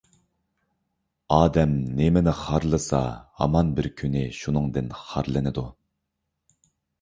ئادەم نېمىنى خارلىسا ھامان بىر كۈنى شۇنىڭدىن خارلىنىدۇ.